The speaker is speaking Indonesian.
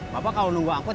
bapak kalau nunggu angkot